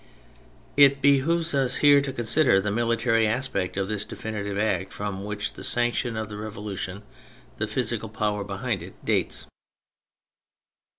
It behoves us here to consider the military aspect of this definitive act from which the sanction of the Revolution, the physical power behind it, dates.